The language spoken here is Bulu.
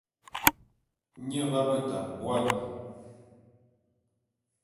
Nye b'abeta buan.